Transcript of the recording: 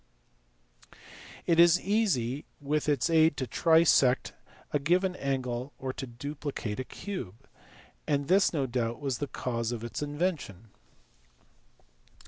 It is easy with its aid to trisect a given angle or to duplicate a cube ; and this no doubt was the cause of its invention.